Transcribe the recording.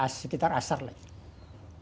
waktu itu saya berbicara dengan pak artijo